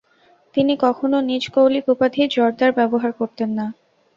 তিনি কখনো নিজ কৌলিক উপাধি জরদার ব্যবহার করতেন না।